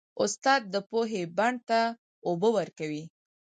استاد د پوهې بڼ ته اوبه ورکوي.